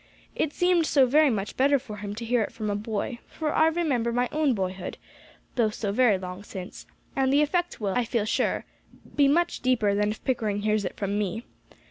"It seemed so very much better for him to hear it from a boy, for I remember my own boyhood, though so very long since; and the effect will, I feel sure, be much deeper than if Pickering hears it from me.